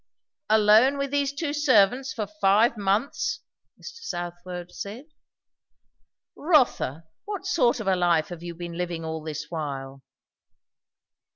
"Alone with these two servants for five months!" Mr. Southwode said. "Rotha, what sort of a life have you been living all this while?"